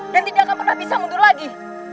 dan tidak akan pernah bisa mundur lagi